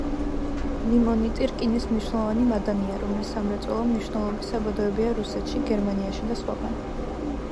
ლიმონიტი რკინის მნიშვნელოვანი მადანია, რომლის სამრეწველო მნიშვნელობის საბადოებია რუსეთში, გერმანიაში და სხვაგან.